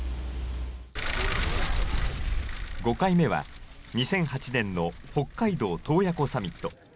５回目は２００８年の北海道洞爺湖サミット。